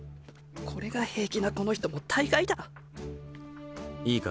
これが平気なこの人も大概だいいか